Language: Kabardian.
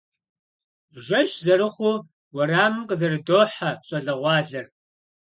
Жэщ зэрыхъуу уэрамым къызэрыдохьэ щӏалэгъуалэр.